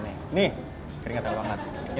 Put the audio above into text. nih keringetan banget